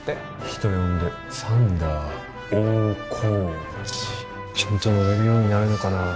人呼んでサンダー大河内。ちゃんと乗れるようになるのかな。